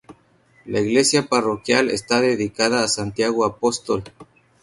La iglesia parroquial está dedicada a Santiago Apóstol.